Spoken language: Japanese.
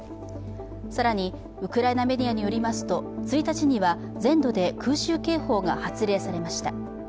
更にウクライナメディアによりますと、１日には、全土で空襲警報が発令されました。